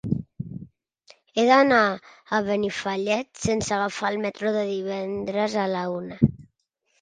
He d'anar a Benifallet sense agafar el metro divendres a la una.